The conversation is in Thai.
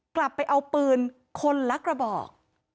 กลับไปเอาปืนคนละกระบอก